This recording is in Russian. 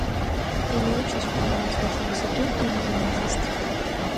И я учусь понимать вашу высоту и ее низость.